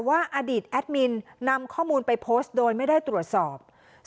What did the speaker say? อดีตแอดมินนำข้อมูลไปโพสต์โดยไม่ได้ตรวจสอบ